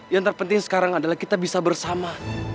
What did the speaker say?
yang terpenting sekarang adalah kita bisa bersama